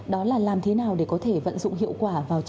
đó là làm thế nào để có thể vận dụng hiệu quả vào chính trị